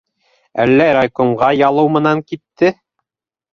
Әллә райкомға ялыу менән китте?